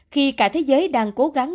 khi cả thế giới đang cố gắng